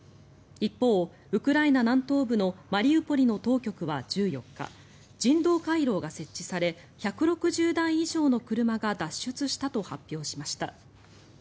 一方、ウクライナ南東部のマリウポリの当局は１４日人道回廊が設置され１６０台以上の車が脱出したと発表しました。